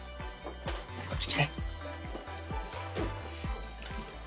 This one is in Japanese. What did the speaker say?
こっち来て。